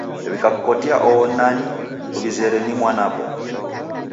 W'ikakukotia oho nani, kuw'izere ni mwanapo.